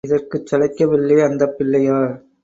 இதற்குச் சளைக்கவில்லை அந்தப் பிள்ளையார்.